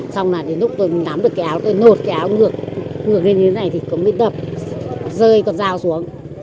xong là đến lúc tôi nắm được cái áo tôi nộp cái áo ngược ngược lên như thế này thì mới đập rơi con dao xuống